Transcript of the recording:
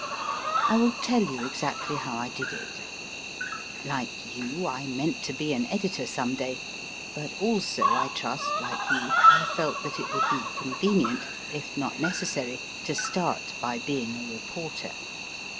I will tell you exactly how I did it. Like you, I meant to be an editor some day, but also, I trust, like you, I felt that it would be convenient, if not necessary to start by being a reporter.